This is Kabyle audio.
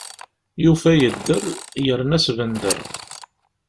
Yufa yedder, yerna asbender.